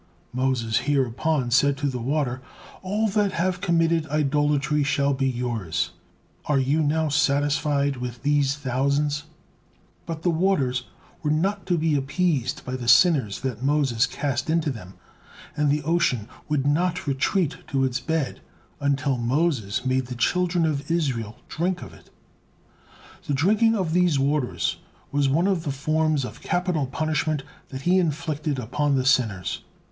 Moses hereupon said to the water" "All that have committed idolatry shall be yours. Are you now satisfied with these thousands?" But the waters were not to be appeased by the sinners that Moses cast into them, and the ocean would not retreat to its bed until Moses made the children of Israel drink of it. The drinking of these waters was one of the forms of capital punishment that he inflicted upon the sinners.